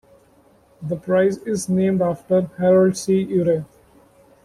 The prize is named after Harold C. Urey.